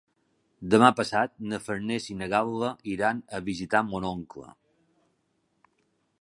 Demà passat na Farners i na Gal·la iran a visitar mon oncle.